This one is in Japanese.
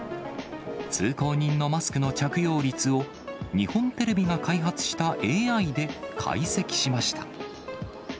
通行人のマスクの着用率を、日本テレビが開発したＡＩで解析しました。